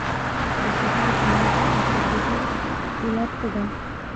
د شکرې په ناروغۍ د اخته کېدلو علت څه دی؟